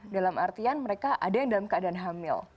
dalam artian mereka ada yang dalam keadaan hamil